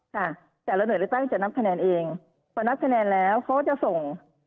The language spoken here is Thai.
ค่ะแต่ละหน่วยเลือกตั้งจะนับคะแนนเองพอนับคะแนนแล้วเขาจะส่ง